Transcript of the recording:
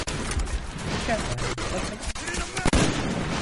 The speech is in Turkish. Pekâlâ, bakın.